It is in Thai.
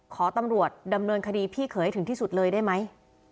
ขอตำรวจดำเนินคดีพี่เขยให้ถึงที่สุดเลยได้ไหม